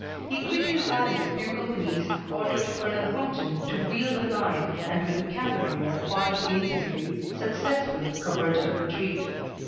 He quickly rallied a few companies, ordered Colonel Humpton to wheel the line, and with the cavalry and a part of the infantry successfully covered a retreat."